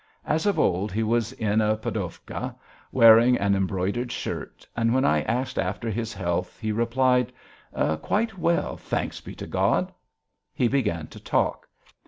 As of old he was in a poddiovka, wearing an embroidered shirt, and when I asked after his health, he replied: "Quite well, thanks be to God." He began to talk.